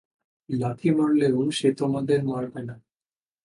লাথি মারলেও সে তোমাদের মারবে না।